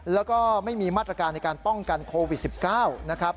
แล้วก็ไม่มีมาตรการในการป้องกันโควิด๑๙นะครับ